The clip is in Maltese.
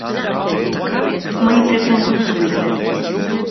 Ma jippretendux wisq.